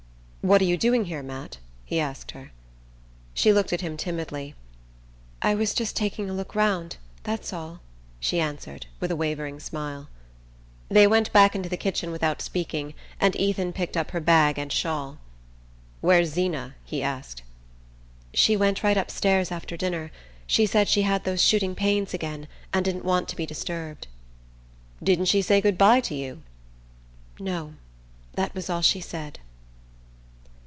"What are you doing here, Matt?" he asked her. She looked at him timidly. "I was just taking a look round that's all," she answered, with a wavering smile. They went back into the kitchen without speaking, and Ethan picked up her bag and shawl. "Where's Zeena?" he asked. "She went upstairs right after dinner. She said she had those shooting pains again, and didn't want to be disturbed." "Didn't she say good bye to you?" "No. That was all she said."